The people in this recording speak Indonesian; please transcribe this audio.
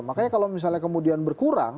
makanya kalau misalnya kemudian berkurang